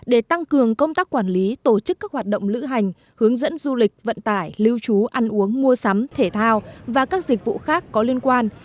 để tăng cường công tác quản lý tổ chức các hoạt động lữ hành hướng dẫn du lịch vận tải lưu trú ăn uống mua sắm thể thao và các dịch vụ khác có liên quan